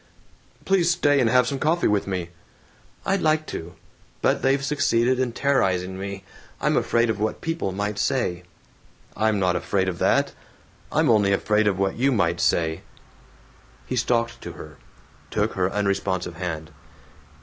"Please stay and have some coffee with me." "I'd like to. But they've succeeded in terrorizing me. I'm afraid of what people might say." "I'm not afraid of that. I'm only afraid of what you might say!" He stalked to her; took her unresponsive hand.